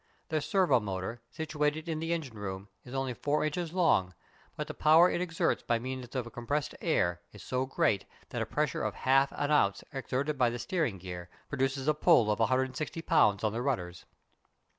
The servo motor, situated in the engine room, is only four inches long, but the power it exerts by means of compressed air is so great that a pressure of half an ounce exerted by the steering gear produces a pull of 160 lbs. on the rudders.